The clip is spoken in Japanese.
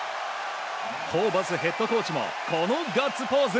ホーバスヘッドコーチもこのガッツポーズ。